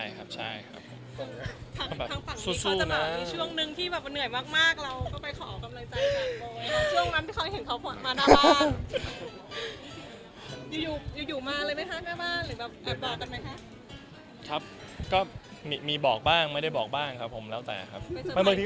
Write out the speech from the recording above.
เวทีที่ถูกสู้ก็ต้องค่อยซ่อนไพรแต่มันได้มาก